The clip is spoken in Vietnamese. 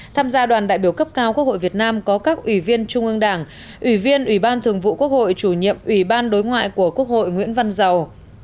tham gia đoàn đại biểu cấp cao quốc hội việt nam có các ủy viên trung ương đảng ủy viên ủy ban thường vụ quốc hội chủ nhiệm ủy ban đối ngoại của quốc hội nguyễn văn giàu